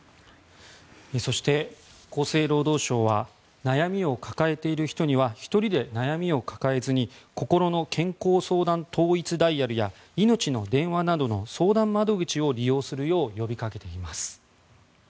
そして厚生労働省は悩みを抱えている人には１人で悩みを抱えずにこころの健康相談統一ダイヤルやいのちの電話などの相談窓口を利用するよう呼びかけています。